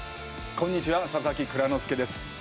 こんにちは佐々木蔵之介です